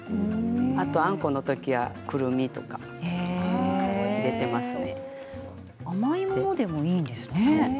あとあんこのときにはくるみとか甘いものでもいいんですね。